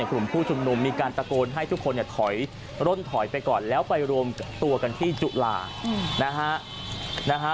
กลุ่มผู้ชุมนุมมีการตะโกนให้ทุกคนเนี่ยถอยร่นถอยไปก่อนแล้วไปรวมตัวกันที่จุฬานะฮะ